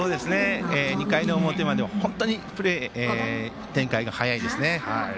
２回の表までは非常に展開が早いですね。